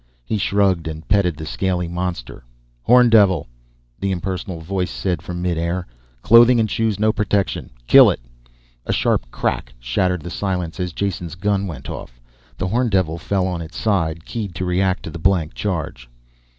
He shrugged and petted the scaly monstrosity. "Horndevil," the impersonal voice said from midair. "Clothing and shoes no protection. Kill it." A sharp crack shattered the silence as Jason's gun went off. The horndevil fell on its side, keyed to react to the blank charge.